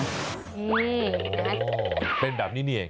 นี่เป็นแบบนี้นี่